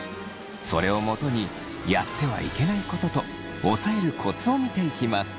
それをもとにやってはいけないこととおさえるコツを見ていきます。